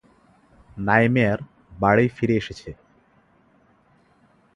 নাইমেয়ার বাড়ি ফিরে আসে।